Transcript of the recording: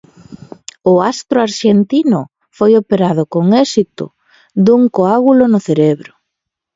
O astro arxentino foi operado con éxito dun coágulo no cerebro.